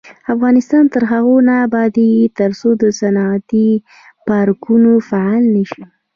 افغانستان تر هغو نه ابادیږي، ترڅو صنعتي پارکونه فعال نشي.